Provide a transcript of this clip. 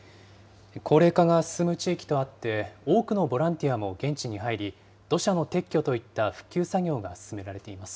高齢化が進む地域とあって、多くのボランティアも現地に入り、土砂の撤去といった復旧作業が進められています。